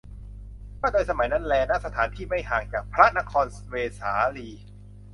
ก็โดยสมัยนั้นแล ณ สถานที่ไม่ห่างจากพระนครเวสาลี